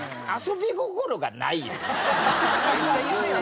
めっちゃ言うやん。